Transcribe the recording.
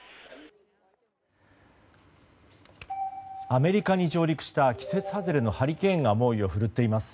アメリカに上陸した季節外れのハリケーンが猛威を振るっています。